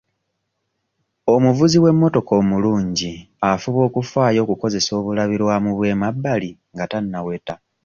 Omuvuzi w'emmotoka omulungi afuba okufaayo okukozesa obulabirwamu bw'emabbali nga tannaweta.